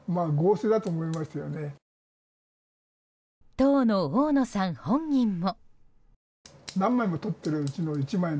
当の大野さん本人も。